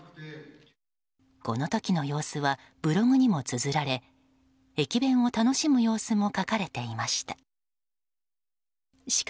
この時の様子はブログにもつづられ駅弁を楽しむ様子も書かれていました。